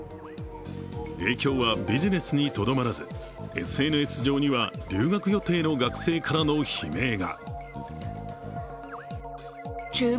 影響はビジネスにとどまらずＳＮＳ上には留学予定の学生からの悲鳴が。